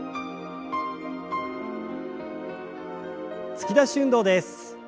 突き出し運動です。